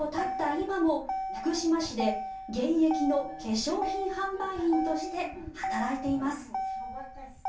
今も福島市で現役の化粧品販売員として働いています。